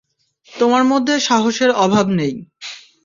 তোমার মধ্যে সাহসের অভাব নেই।